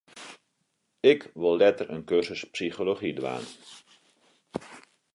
Ik wol letter in kursus psychology dwaan.